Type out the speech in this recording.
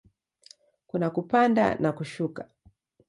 Kuna kupanda na kushuka.